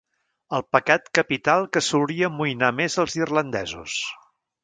El pecat capital que solia amoïnar més els irlandesos.